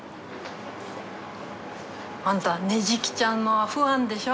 あんた捻木ちゃんのファンでしょ？